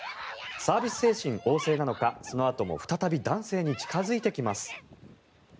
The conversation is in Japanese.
サービス精神旺盛なのかそのあとも再び男性に近付いてきます。